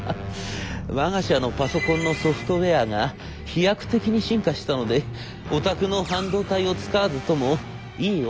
「わが社のパソコンのソフトウェアが飛躍的に進化したのでお宅の半導体を使わずともいい音が出せるようになりました。